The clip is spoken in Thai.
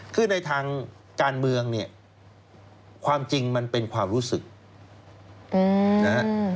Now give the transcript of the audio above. คือในทางการเมืองเนี่ยความจริงมันเป็นความรู้สึกนะฮะ